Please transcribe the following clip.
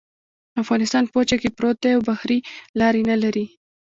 افغانستان په وچه کې پروت دی او بحري لارې نلري